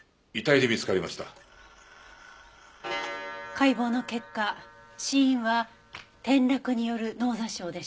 解剖の結果死因は転落による脳挫傷でした。